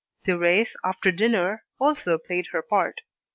Thérèse, after dinner, also played her part.